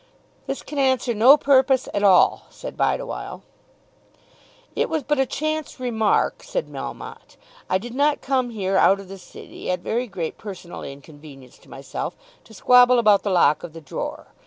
"This can answer no purpose at all," said Bideawhile. "It was but a chance remark," said Melmotte. "I did not come here out of the City at very great personal inconvenience to myself to squabble about the lock of the drawer.